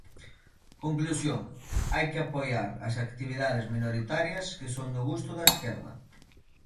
Conclusión: hai que apoiar as actividades minoritarias que son do gusto da esquerda.